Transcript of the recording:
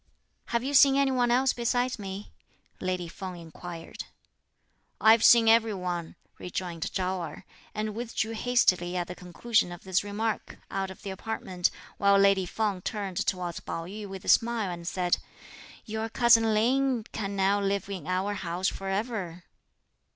"Have you seen any one else besides me?" lady Feng inquired. "I've seen every one," rejoined Chao Erh; and withdrew hastily at the conclusion of this remark, out of the apartment, while lady Feng turned towards Pao yü with a smile and said, "Your cousin Lin can now live in our house for ever."